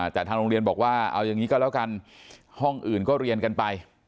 แต่ทางโรงเรียนบอกว่าเอาอย่างนี้ก็แล้วกันห้องอื่นก็เรียนกันไป